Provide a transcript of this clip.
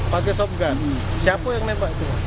pakai soft gun siapa yang nembak itu